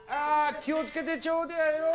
気を付けてちょうだあよ。